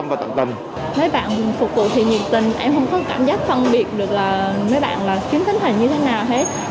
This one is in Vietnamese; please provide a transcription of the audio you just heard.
mấy bạn phục vụ thì nhiệt tình em không có cảm giác phân biệt được là mấy bạn là khiếm thính thành như thế nào hết